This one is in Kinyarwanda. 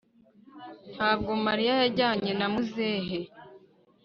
Ntabwo Mariya yajyanye na muzehe